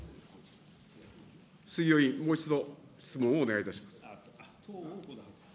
杉尾委員、もう一度、質問をお願いします。